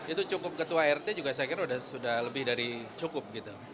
itu cukup ketua rt juga saya kira sudah lebih dari cukup gitu